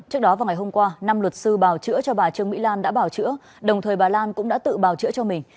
trước đó vào ngày hôm qua năm luật sư bảo chữa cho bà trương mỹ lan đã bảo chữa đồng thời bà lan cũng đã tự bảo chữa cho mình